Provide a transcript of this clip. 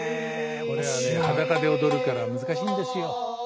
これはね裸で踊るから難しいんですよ。